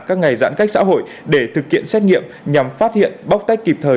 các ngày giãn cách xã hội để thực hiện xét nghiệm nhằm phát hiện bóc tách kịp thời